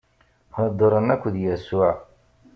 Heddṛen akked Yasuɛ.